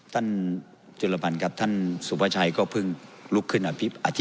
ท่านจุฬบัญครับท่านสุภาชัยก็เพิ่งลุกขึ้นอธิบาย